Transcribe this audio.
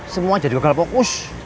semua jadi gagal fokus